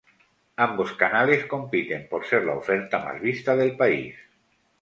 Ambos canales compiten por ser la oferta más vista del país.